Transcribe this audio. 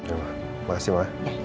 oke mak makasih mak